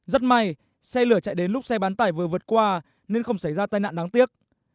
rất may xe lửa chạy đến lúc xe bán tải vừa vượt qua nên không xảy ra tai nạn đáng tiếc